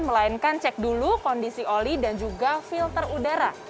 melainkan cek dulu kondisi oli dan juga filter udara